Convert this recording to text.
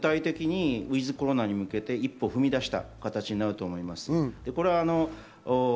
具体的にｗｉｔｈコロナに向けて一歩踏み出した形になると思います。